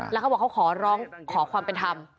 แล้วเขาบอกเขาขอร้องขอความเป็นธรรม